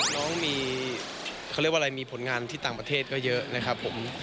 น้องมีเขาเรียกว่าอะไรมีผลงานที่ต่างประเทศก็เยอะนะครับผม